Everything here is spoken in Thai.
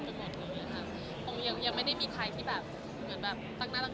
เดียวคนเดียวไม่ได้มีขนาดเข้ามาขนาดนั้น